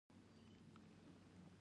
کفن يې د ټټر په حصه کښې په وينو سور و.